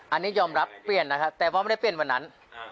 อันนี้ยอมรับเปลี่ยนนะครับแต่ว่าไม่ได้เปลี่ยนวันนั้น